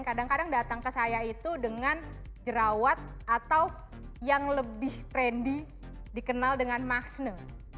kadang kadang datang ke saya itu dengan jerawat atau yang lebih trendy dikenal dengan maxne